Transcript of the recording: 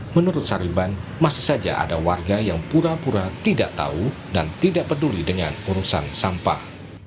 menurut sarliban masih saja ada warga yang pura pura tidak tahu dan tidak peduli dengan urusan sampah